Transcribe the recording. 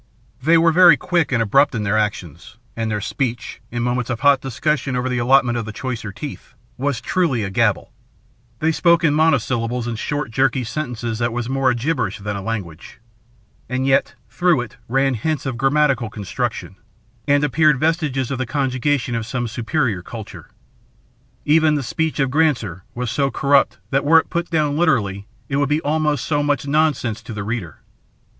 They were very quick and abrupt in their actions, and their speech, in moments of hot discussion over the allotment of the choicer teeth, was truly a gabble. They spoke in monosyllables and short jerky sentences that was more a gibberish than a language. And yet, through it ran hints of grammatical construction, and appeared vestiges of the conjugation of some superior culture. Even the speech of Granser was so corrupt that were it put down literally it would be almost so much nonsense to the reader.